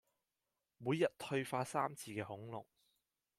每日退化三次嘅恐龍